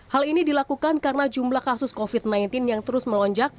hal ini dilakukan karena jumlah kasus covid sembilan belas yang terus melonjak